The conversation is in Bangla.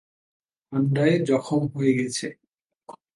ঠান্ডায় জখম হয়ে গেছে।